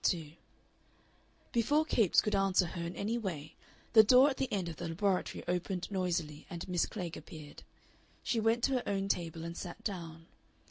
Part 2 Before Capes could answer her in any way the door at the end of the laboratory opened noisily and Miss Klegg appeared. She went to her own table and sat down.